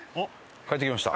帰ってきました。